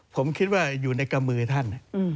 ผมคิดว่าอยู่ในกระมือท่าน